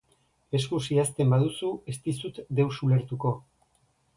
Eskuz idazten baduzu, ez dizut deus ulertuko.